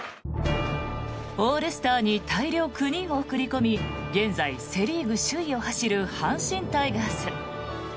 オールスターに大量９人を送り込み現在セ・リーグ首位を走る阪神タイガース。